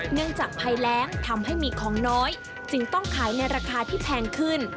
จากภัยแรงทำให้มีของน้อยจึงต้องขายในราคาที่แพงขึ้น